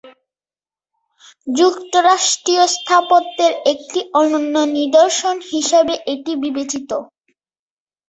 যুক্তরাষ্ট্রীয় স্থাপত্যের একটি অনন্য নিদর্শন হিসাবে এটি বিবেচিত।